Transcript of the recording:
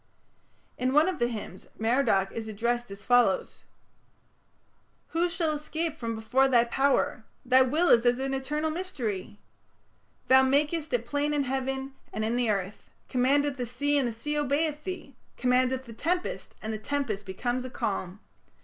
" In one of the hymns Merodach is addressed as follows: Who shall escape from before thy power? Thy will is an eternal mystery! Thou makest it plain in heaven And in the earth, Command the sea And the sea obeyeth thee. Command the tempest And the tempest becometh a calm.